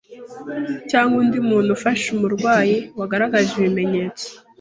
cyangwa undi muntu ufasha umurwayi wagaragaje ibimenyetso”.